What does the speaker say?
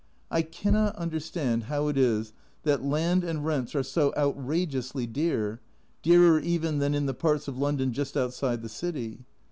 I cannot understand how it is that land and rents are so outrageously dear, dearer even than in the parts of London just outside the city.